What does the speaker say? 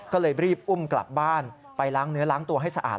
ก็เลยรีบอุ้มกลับบ้านไปล้างเนื้อล้างตัวให้สะอาด